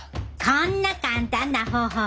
こんな簡単な方法